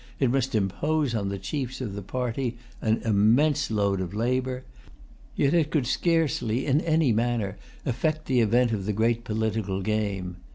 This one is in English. It must impose on the chiefs of the party an immense load of labor. Yet it could scarcely, in any manner, affect the event of the great political game.